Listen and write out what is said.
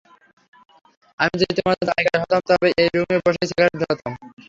আমি যদি তোমার জায়গায় হতাম, তবে এই রুমে বসেই সিগারেট ধরাতাম।